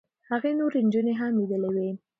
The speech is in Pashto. هغې نورې نجونې هم لیدلې وې.